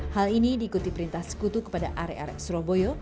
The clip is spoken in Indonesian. hal ini diikuti perintah sekutu kepada arek arek surabaya